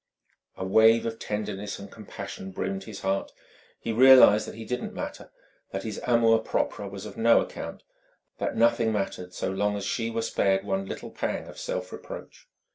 A wave of tenderness and compassion brimmed his heart; he realized that he didn't matter, that his amour propre was of no account that nothing mattered so long as she were spared one little pang of self reproach.